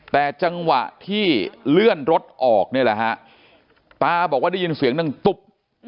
แต่จังหวะที่เลื่อนรถออกนี่แหละฮะตาบอกว่าได้ยินเสียงดังตุ๊บ